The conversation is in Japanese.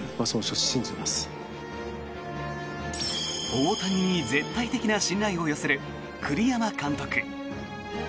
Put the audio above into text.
大谷に絶対的な信頼を寄せる栗山監督。